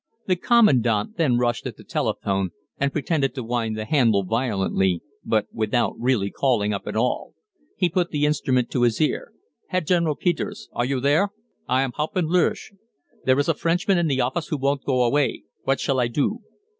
The Commandant then rushed at the telephone and pretended to wind the handle violently, but without really calling up at all. He put the instrument to his ear and said: "Herr General Peters. Are you there? I am Hauptmann L'Hirsch. There is a Frenchman in the office who won't go away. What shall I do?"